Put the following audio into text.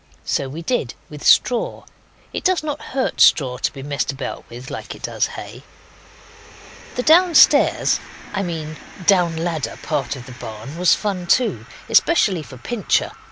So we did, with straw. It does not hurt straw to be messed about with like it does hay. The downstairs I mean down ladder part of the barn was fun too, especially for Pincher.